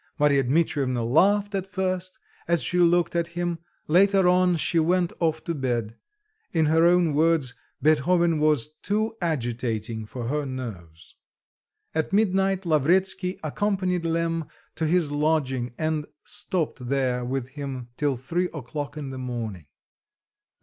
Marya Dmitrievna laughed at first, as she looked at him, later on she went off to bed; in her own words, Beethoven was too agitating for her nerves. At midnight Lavretsky accompanied Lemm to his lodging and stopped there with him till three o'clock in the morning.